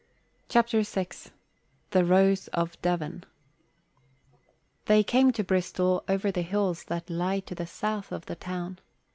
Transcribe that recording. CHAPTER VI THE ROSE OF DEVON They came to Bristol over the hills that lie to the south of the town.